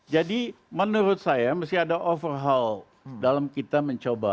jadi menurut saya mesti ada overhaul dalam kita mencoba